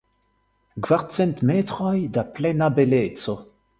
Kvarcent metroj da plena beleco.